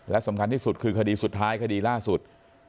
และสำคัญที่สุดคือคดีสุดท้ายคดีล่าสุด